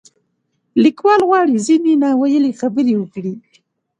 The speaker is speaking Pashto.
لیکوال غواړي ځینې نا ویلې خبرې وکړي.